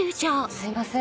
すいません